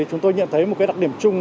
chúng tôi nhận thấy một đặc điểm chung